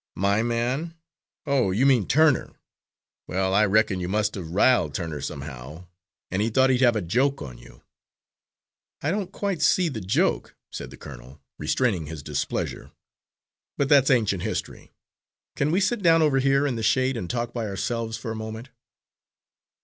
"My man? Oh, you mean Turner! Well, I reckon you must have riled Turner somehow, and he thought he'd have a joke on you." "I don't quite see the joke," said the colonel, restraining his displeasure. "But that's ancient history. Can we sit down over here in the shade and talk by ourselves for a moment?"